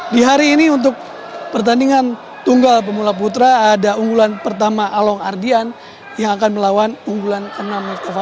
di hari ini untuk pertandingan tunggal pemula putra ada unggulan pertama along ardian yang akan melawan unggulan ke enam